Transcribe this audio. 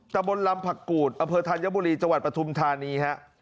ตะบนลำผักกูศอเภอธัญบุรีจปฐุมธานี